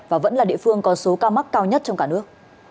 và vẫn là địa phương có số ca mắc cao nhất trong cả nước